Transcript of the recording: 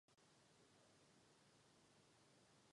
Do Kanady se již nevrátil a kariéru dohrál v tomto klubu.